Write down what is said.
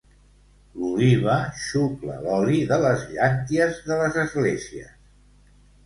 L'òliba xucla l'oli de les llànties de les esglésies.